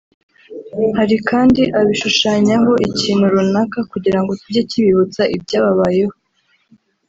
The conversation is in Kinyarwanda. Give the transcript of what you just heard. Hari kandi abishushanyaho ikintu runaka kugira ngo kijye kibibutsa ibyababayeho